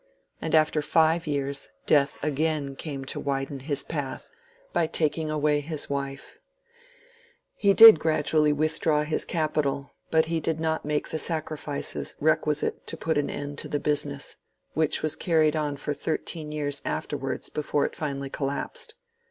And after five years Death again came to widen his path, by taking away his wife. He did gradually withdraw his capital, but he did not make the sacrifices requisite to put an end to the business, which was carried on for thirteen years afterwards before it finally collapsed.